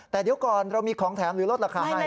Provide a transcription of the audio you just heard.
แต่เดี๋ยวก่อนเรามีของแถมหรือลดราคาให้